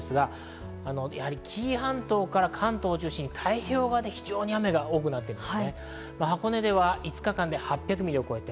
紀伊半島から関東中心に太平洋側で非常に雨が多くなっています。